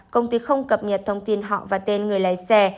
công ty không cập nhật thông tin họ và tên người lái xe